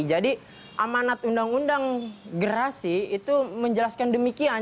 jadi amanat undang undang gerasi itu menjelaskan demikian